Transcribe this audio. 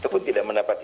kita tidak mendapatkan